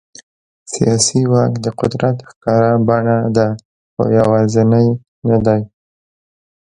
سیاسي واک د قدرت ښکاره بڼه ده، خو یوازینی نه دی.